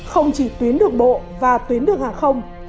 không chỉ tuyến đường bộ và tuyến đường hàng không